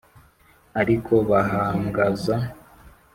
ari ko bahangaza.